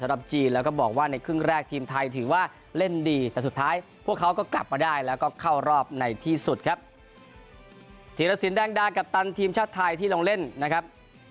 เทียรศิลป์แดงกัปตันทีมชาติไทยที่ลองเล่นนะครับ